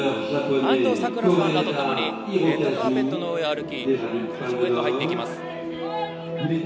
安藤サクラさんらとともにレッドカーペットの上を歩き、会場へと入っていきます。